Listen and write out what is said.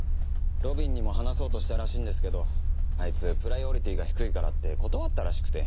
路敏にも話そうとしたらしいんですけどあいつプライオリティが低いからって断ったらしくて。